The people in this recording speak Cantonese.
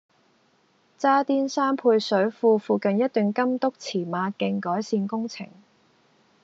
渣甸山配水庫附近一段金督馳馬徑改善工程